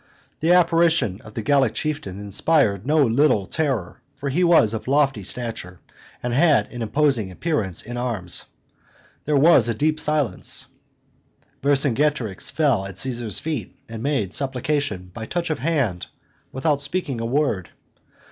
The apparition of the Gallic chieftain inspired no little terror, for he was of lofty stature, and had an imposing appearance in arms. There was a deep silence. Vercingetorix fell at Caesar's feet, and made supplication by touch of hand without speaking a word.